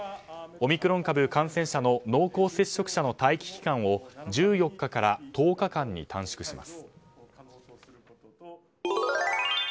オミクロン株感染者の濃厚接触者の待機期間を１４日から１０日間に短縮します。